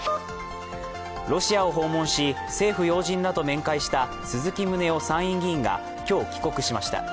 ロシアを訪問し、政府要人らと面会した鈴木宗男参院議員が今日、帰国しました。